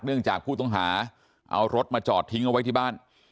จากผู้ต้องหาเอารถมาจอดทิ้งเอาไว้ที่บ้าน